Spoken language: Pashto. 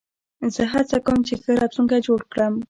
زه هڅه کوم، چي ښه راتلونکی جوړ کړم.